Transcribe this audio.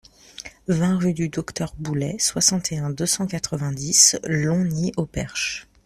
vingt rue du Docteur Boulay, soixante et un, deux cent quatre-vingt-dix, Longny-au-Perche